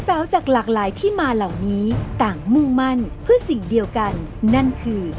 จากหลากหลายที่มาเหล่านี้ต่างมุ่งมั่นเพื่อสิ่งเดียวกันนั่นคือ